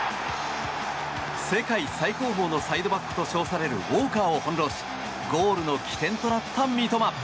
世界最高峰のサイドバックと称されるウォーカーを翻ろうしゴールの起点となった三笘。